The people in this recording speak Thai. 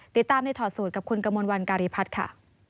ติดตามในถอดสูตรกับคุณกมลวันการีพัฒน์ค่ะ